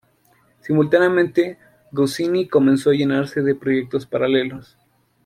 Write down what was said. Simultáneamente, Goscinny comenzó a llenarse de proyectos paralelos.